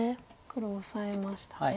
黒オサえましたね。